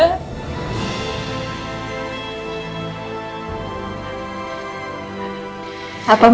apa masih belum cukup cetra bayi